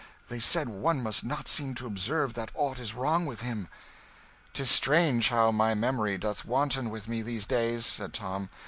They said one must not seem to observe that aught is wrong with him." "'Tis strange how my memory doth wanton with me these days," said Tom.